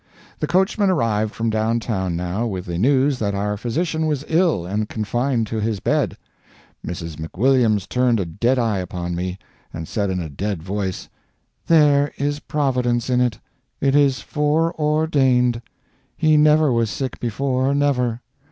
The coachman arrived from down town now with the news that our physician was ill and confined to his bed. Mrs. McWilliams turned a dead eye upon me, and said in a dead voice: "There is a Providence in it. It is foreordained. He never was sick before. Never.